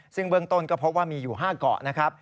ซึ่งเบื้องต้นก็พบว่ามีอยู่๕เกาะนะครับ